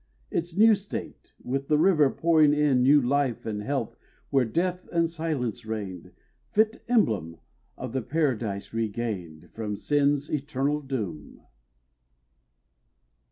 Its new state, with the river pouring in New life and health, where death and silence reigned, Fit emblem of the "paradise regained" From sin's eternal doom.